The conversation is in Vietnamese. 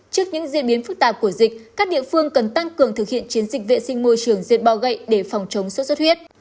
trước những diễn biến phức tạp của dịch các địa phương cần tăng cường thực hiện chiến dịch vệ sinh môi trường diệt bọ gậy để phòng chống sốt xuất huyết